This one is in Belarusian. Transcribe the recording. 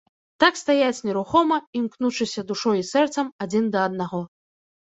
Так стаяць нерухома, імкнучыся душой і сэрцам адзін да аднаго.